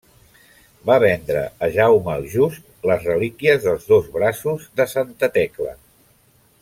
Va vendre a Jaume el Just les relíquies dels dos braços de santa Tecla.